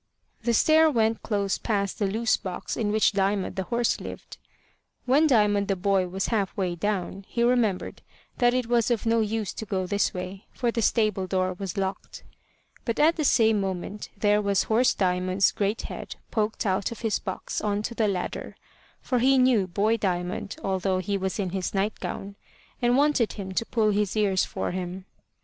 The stair went close past the loose box in which Diamond the horse lived. When Diamond the boy was half way down, he remembered that it was of no use to go this way, for the stable door was locked. But at the same moment there was horse Diamond's great head poked out of his box on to the ladder, for he knew boy Diamond although he was in his night gown, and wanted him to pull his ears for him.